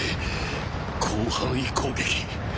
広範囲攻撃。